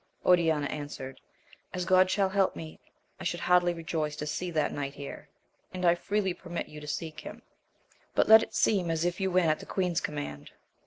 Oriana answered, as God shall help me, I should heartily rejoice to see that knight here, and I freely permit you\.o ^^^\i\x£i\\j^ ^ 110 AMADIS OF GAUL. let it seem as if you went at the queen's command.